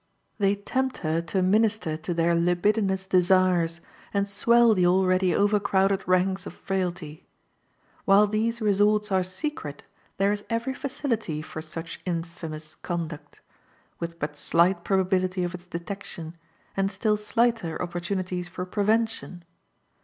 They tempt her to minister to their libidinous desires, and swell the already overcrowded ranks of frailty. While these resorts are secret, there is every facility for such infamous conduct, with but slight probability of its detection, and still slighter opportunities for prevention.